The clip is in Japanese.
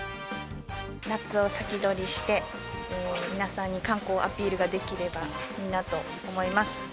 夏を先取りして、皆さんに観光をアピールができればいいなと思います。